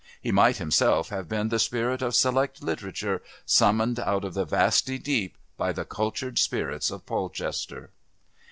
He might himself have been the Spirit of Select Literature summoned out of the vasty deep by the Cultured Spirits of Polchester.